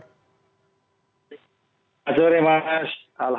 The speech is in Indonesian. selamat sore pak hasbi alhamdulillah